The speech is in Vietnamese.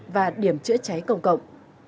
và điểm trễ cháy công cộng